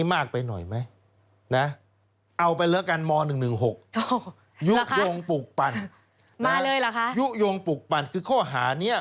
มาเลยหรือคะยุคโยงปลูกปั่นคือข้อหานี้